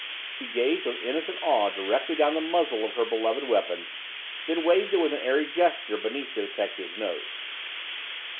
and she gazed with innocent awe directly down the muzzle of her beloved weapon, then waved it with an airy gesture beneath the detective's nose.